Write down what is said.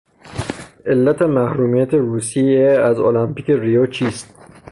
علت محرومیت روسیه از المپیک ریوچیست؟